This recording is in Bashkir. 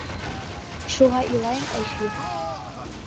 Шуға илайым, Әлфиә.